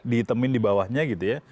dihitemin dibawahnya gitu ya